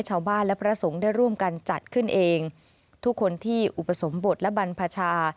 ชาวบ้านและพระสงฆ์ได้ร่วมกันจัดขึ้นเองทุกคนที่อุปสมบทและบรรพชา